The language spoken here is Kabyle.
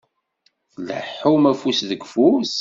Tleḥḥum afus deg ufus?